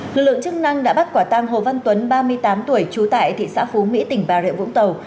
lực lượng chức năng đã bắt quả tăng hồ văn tuấn ba mươi tám tuổi trú tại thị xã phú mỹ tỉnh bà rịa vũng tàu